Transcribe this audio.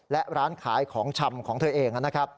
และร้านขายของชำของเธอเอง